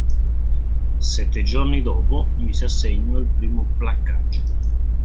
Sette giorni dopo mise a segno il primo placcaggio.